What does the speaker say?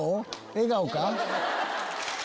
笑顔か？